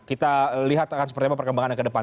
kita lihat akan seperti apa perkembangan yang kedepan